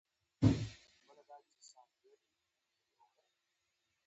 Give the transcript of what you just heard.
په نتیجه کې پاتې، وروستو.